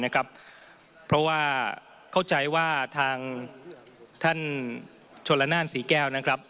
เข้าใจว่าทางท่านชโลนาลศรีแก้วนะครับ